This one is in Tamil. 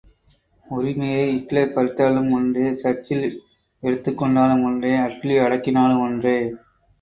உரிமையை இட்லர் பறித்தாலும் ஒன்றே, சர்ச்சில் எடுத்துக் கொண்டாலும் ஒன்றே, அட்லி அடக்கினாலும் ஒன்றே.